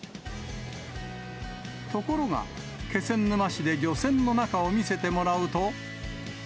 ところが、気仙沼市で漁船の中を見せてもらうと。